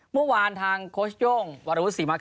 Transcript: เมื่อวานทางโค้ชย่งวรรดุสิมาคร